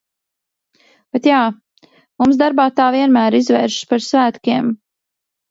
Bet jā, mums darbā tā vienmēr izvēršas par svētkiem.